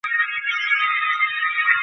আলো কাচের ওপর পড়লে প্রতিফলিত হয় কেন?